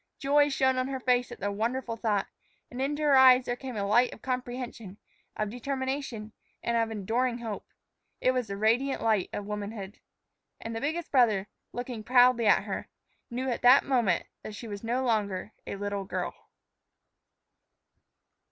Joy shone on her face at the wonderful thought; and into her eyes there came a light of comprehension, of determination, and of enduring hope, it was the radiant light of womanhood. And the biggest brother, looking proudly at her, knew at that moment that she was no longer a little girl.